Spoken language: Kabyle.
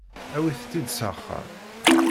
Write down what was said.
Awit-tt-id s axxam.